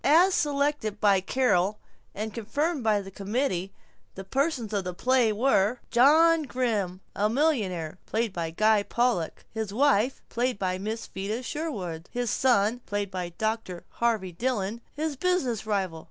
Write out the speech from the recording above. As selected by Carol and confirmed by the committee, the persons of the play were: John Grimm, a millionaire .... Guy Pollock His wife. ........ Miss Vida Sherwin His son ......... Dr. Harvey Dillon His business rival.